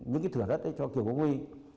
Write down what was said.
những thửa đất cho kiều quốc huy